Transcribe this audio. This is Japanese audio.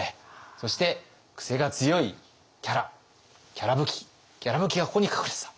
そしてクセが強いキャラキャラぶき「きゃらぶき」がここに隠れてた。